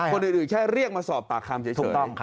คนอื่นแค่เรียกมาสอบปากคำเฉยถูกต้อง